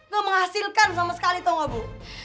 gak menghasilkan sama sekali tau gak bu